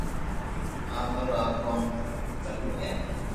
آپ ھارو آ ڪوم ڀلو ھي